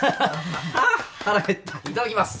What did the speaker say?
ああ腹減ったいただきます